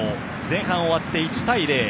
前半終わって１対０。